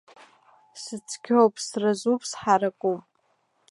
Сыцқьоуп, сразуп, сҳаракуп!